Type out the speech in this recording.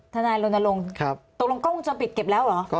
ทนายลนรงค์ตกลงกล้องวงจรปิดเก็บแล้วหรือครับครับ